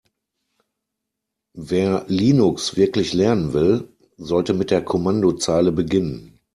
Wer Linux wirklich lernen will, sollte mit der Kommandozeile beginnen.